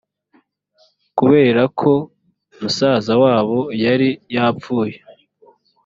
kubera ko musaza wabo yari yapfuye